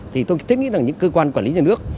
thì tôi thích nghĩ rằng những cơ quan quản lý nhà nước